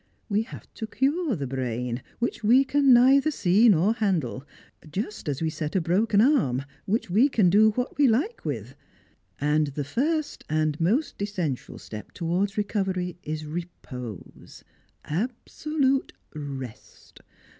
We have to cure the brain, which we can neither see nor handle, just as we set a broken arm, which we can do what we i ':e with. And the first and most essential step towards recovery is repose, absolute rest.